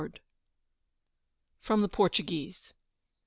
_From the Portuguese.